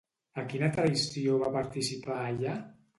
A quina traïció va participar allà?